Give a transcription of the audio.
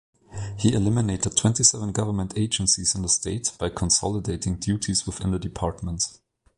He eliminated twenty-seven government agencies in the state by consolidating duties within the departments.